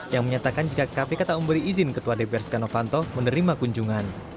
yang menyatakan jika kpk tak memberi izin ketua dpr setia novanto menerima kunjungan